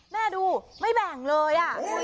ดูไม่แบ่งเลย